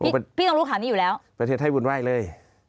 พี่ต้องรู้ข่าวนี้อยู่แล้วประเทศไทยวุ่นวายเลย